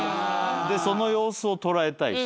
その様子を捉えたいし。